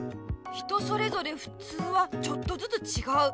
人それぞれ「ふつう」はちょっとずつちがう。